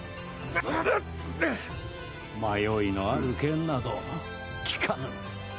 迷いのある剣など効かぬ。